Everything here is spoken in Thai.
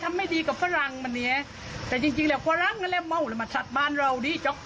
เจอกแตกสิบเบียร์เป็นพันธุ์